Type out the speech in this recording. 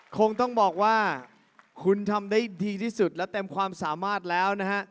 คงต้องบอกว่าคุณทำได้ดีที่สุดและเต็มความสามารถแล้วนะฮะ